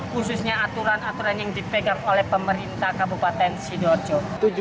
khususnya aturan aturan yang dipegang oleh pemerintah kabupaten sidoarjo